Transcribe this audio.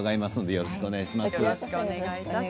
よろしくお願いします。